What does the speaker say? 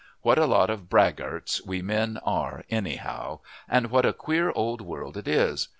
What a lot of braggarts we men are, anyhow and what a queer old world it is!